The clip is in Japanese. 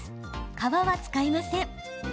皮は使いません。